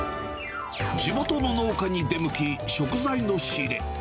地元の農家に出向き、食材の仕入れ。